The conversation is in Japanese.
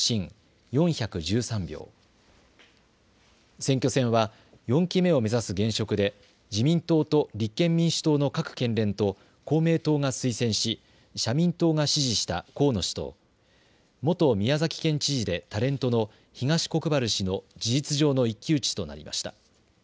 選挙戦は４期目を目指す現職で自民党と立憲民主党の各県連と公明党が推薦し社民党が支持した河野氏と元宮崎県知事でタレントの東国原氏の事実上の一騎打ちとなりました。